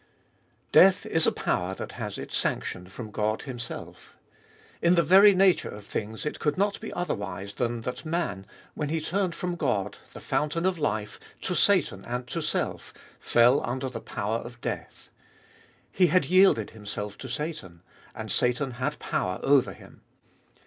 Death is a power that has its sanction from God Himself. In the very nature of things it could not be otherwise than that man, when he turned from God, the fountain of life, to Satan and to self, fell under the power of death. He had yielded himself to Satan, and Satan had power over him.